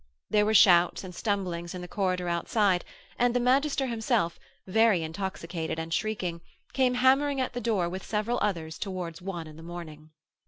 There were shouts and stumblings in the corridor outside and the magister himself, very intoxicated and shrieking, came hammering at the door with several others towards one in the morning.